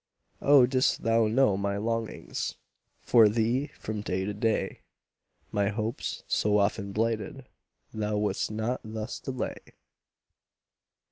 Oh, didst thou know my longings For thee, from day to day, My hopes, so often blighted, Thou wouldst not thus delay!